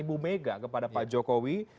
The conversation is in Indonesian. bumega kepada pak jokowi